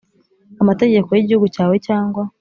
amategeko y Igihugu cyawe cyangwa